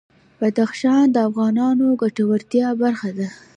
بدخشان د افغانانو د ګټورتیا برخه ده.